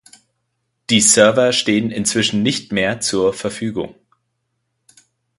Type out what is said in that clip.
Die Server stehen inzwischen nicht mehr zur Verfügung.